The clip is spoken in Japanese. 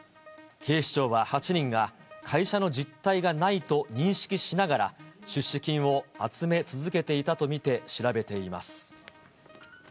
警視庁は８人が、会社の実体がないと認識しながら、出資金を集め続けていたと見て調べています。